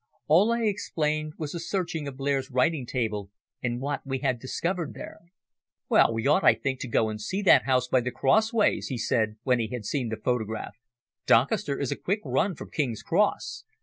All I explained was the searching of Blair's writing table and what we had discovered there. "Well, we ought I think to go and see that house by the crossways," he said when he had seen the photograph. "Doncaster is a quick run from King's Cross.